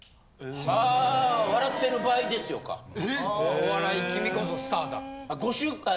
「お笑い君こそスターだ」。